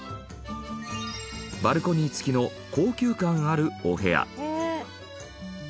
バルコニー付きの高級感あるお部屋。